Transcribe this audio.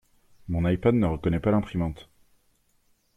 Mon ipad ne reconnaît pas l'imprimante.